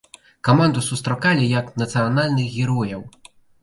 Каманду сустракалі як нацыянальных герояў.